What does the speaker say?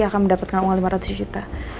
akan mendapatkan uang lima ratus juta